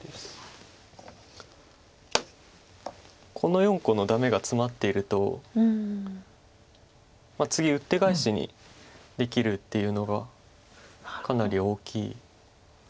この４個のダメがツマっていると次ウッテガエシにできるっていうのがかなり大きい。